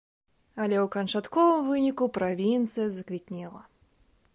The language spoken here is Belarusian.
Але ў канчатковым выніку правінцыя заквітнела.